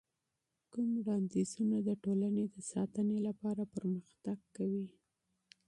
کومې نظریې د ټولنې د ساتنې لپاره پر مختګ کوي؟